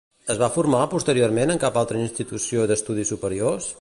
Es va formar posteriorment en cap altra institució d'estudis superiors?